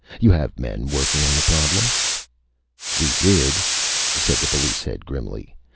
You have men working on the problem?" "We did," said the police head, grimly.